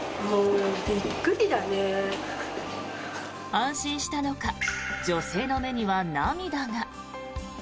安心したのか女性の目には涙が。